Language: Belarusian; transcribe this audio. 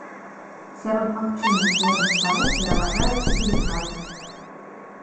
Сярод магматычных горных парод пераважаюць сілікаты.